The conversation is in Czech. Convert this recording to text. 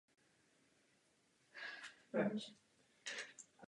Dřevo je tvrdé a těžké a je místně využíváno na různé konstrukce a pilíře.